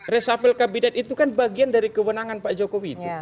resafel kabinet itu kan bagian dari kewenangan pak jokowi itu